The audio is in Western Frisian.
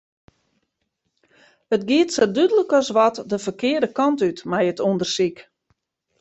It giet sa dúdlik as wat de ferkearde kant út mei it ûndersyk.